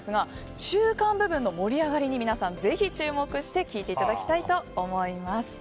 中間部分の盛り上がりに皆さん、ぜひ注目して聴いていただきたいと思います。